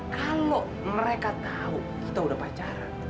kalau mereka tahu kita udah pacaran